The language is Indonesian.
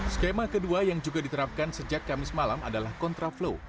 skema kedua yang juga diterapkan sejak kamis malam adalah kontraflow